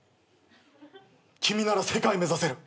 君なら世界目指せる。